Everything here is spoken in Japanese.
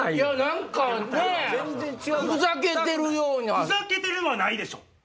「ふざけてる」はないでしょ